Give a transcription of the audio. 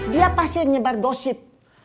dia pasti nyebar dosip